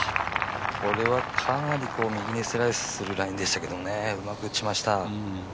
これはかなり右にスライスするラインでしたけどうまく打ちました。